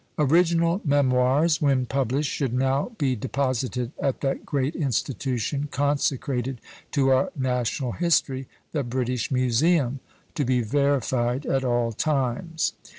Original memoirs, when published, should now be deposited at that great institution, consecrated to our national history the British Museum, to be verified at all times.